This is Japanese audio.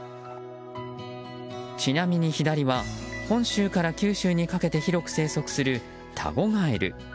ちなみに左は本州から九州にかけて広く生息するタゴガエル。